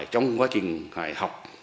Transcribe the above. trong thời gian qua hay không